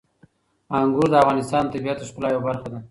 انګور د افغانستان د طبیعت د ښکلا یوه برخه ده.